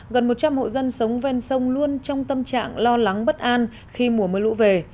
gần một trăm linh hộ dân sống ven sông luôn trong tâm trạng lo lắng bất an khi mùa mưa lũ về